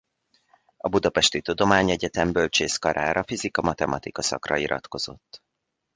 A Budapesti Tudományegyetem bölcsészkarára fizika-matematika szakra iratkozott.